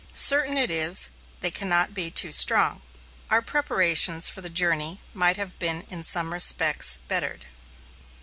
Certain it is, they can not be too strong. Our preparations for the journey might have been in some respects bettered.